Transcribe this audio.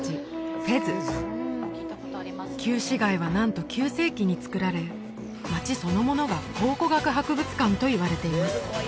フェズ旧市街はなんと９世紀につくられ街そのものが考古学博物館といわれています